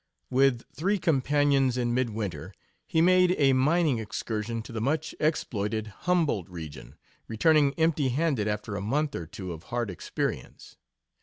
With three companions, in midwinter, he made a mining excursion to the much exploited Humboldt region, returning empty handed after a month or two of hard experience.